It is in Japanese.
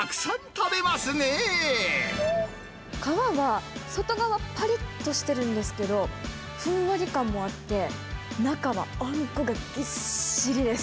皮は外側がぱりっとしてるんですけど、ふんわり感もあって、中はあんこがぎっしりです。